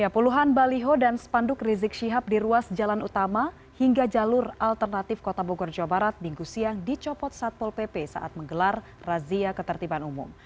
puluhan baliho dan spanduk rizik syihab di ruas jalan utama hingga jalur alternatif kota bogor jawa barat minggu siang dicopot satpol pp saat menggelar razia ketertiban umum